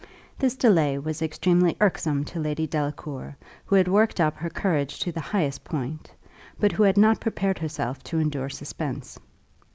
This delay was extremely irksome to Lady Delacour, who had worked up her courage to the highest point, but who had not prepared herself to endure suspense.